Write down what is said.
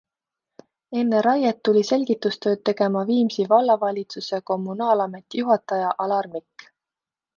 Enne raiet tuli selgitustööd tegema Viimsi vallavalitsuse kommunaalameti juhataja Alar Mik.